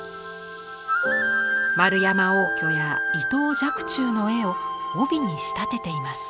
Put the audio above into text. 円山応挙や伊藤若冲の絵を帯に仕立てています。